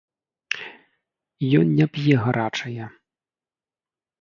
Ён не п'е гарачая.